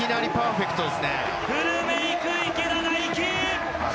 フルメイク、池田大暉。